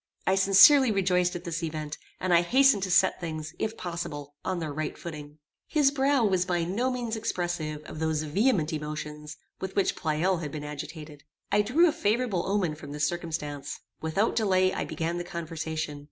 I sincerely rejoiced at this event, and I hastened to set things, if possible, on their right footing. His brow was by no means expressive of those vehement emotions with which Pleyel had been agitated. I drew a favorable omen from this circumstance. Without delay I began the conversation.